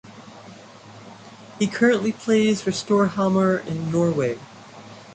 He currently plays for Storhamar in Norway.